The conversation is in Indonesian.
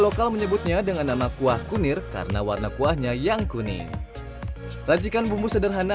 lokal menyebutnya dengan nama kuah kunir karena warna kuahnya yang kuning racikan bumbu sederhana